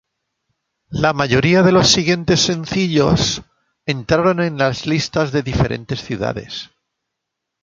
La mayoría de los siguientes sencillos entraron en las listas de diferentes ciudades.